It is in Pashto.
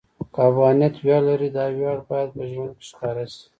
که افغانیت ویاړ لري، دا ویاړ باید په ژوند کې ښکاره شي.